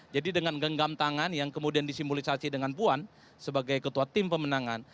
jadi dengan genggam tangan yang kemudian disimbolisasi dengan puan sebagai ketua tim pemenangan